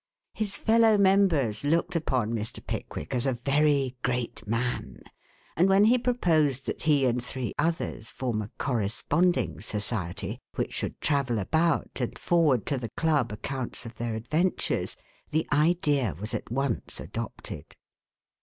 His fellow members looked upon Mr. Pickwick as a very great man, and when he proposed that he and three others form a "Corresponding Society," which should travel about and forward to the club accounts of their adventures, the idea was at once adopted.